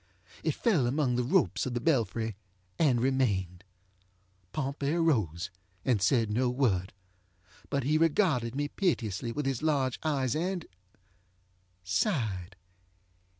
It fell among the ropes of the belfry and remained. Pompey arose, and said no word. But he regarded me piteously with his large eyes andŌĆösighed.